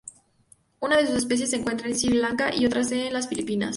Una de sus especies se encuentra Sri Lanka y otra en las Filipinas.